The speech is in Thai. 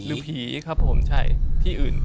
หรือผีครับผมใช่ที่อื่น